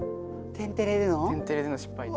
「天てれ」での失敗で。